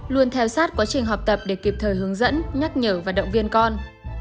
luôn theo sát quá trình học tập để kịp thời hướng dẫn nhắc nhở và động viên con